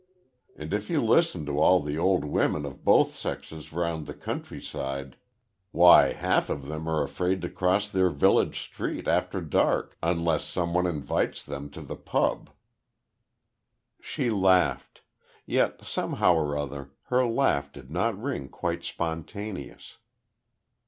And if you listen to all the old women of both sexes round the country side, why half of them are afraid to cross their village street after dark, unless some one invites them to the pub." She laughed; yet somehow or other her laugh did not ring quite spontaneous.